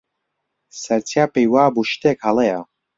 سەرچیا پێی وا بوو شتێک هەڵەیە.